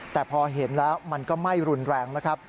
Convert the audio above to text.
แต่พอเห็นแล้วมันก็ไม่รุนแรงนะครับ